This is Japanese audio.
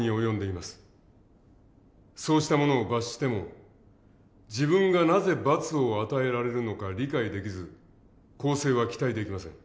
そうした者を罰しても自分がなぜ罰を与えられるのか理解できず更生は期待できません。